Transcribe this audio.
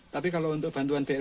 tapi kalau untuk bantuan blt ini